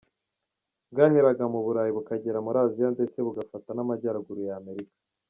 Bwaheraga mu Burayi bukagera muri Asia ndetse bugafata n’Amajyaruguru ya Amerika.